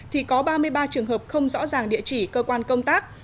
thì có ba mươi ba trường hợp không rõ ràng địa chỉ cơ quan công tác